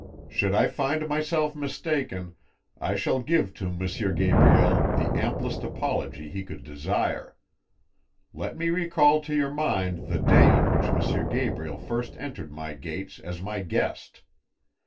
Should I find myself mistaken, I shall give to M. Gabriel the amplest apology he could desire. Let me recall to your mind the day on which M. Gabriel first entered my gates as my guest.